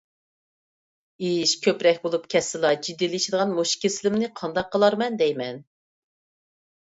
ئىش كۆپرەك بولۇپ كەتسىلا جىددىيلىشىدىغان مۇشۇ كېسىلىمنى قانداق قىلارمەن دەيمەن؟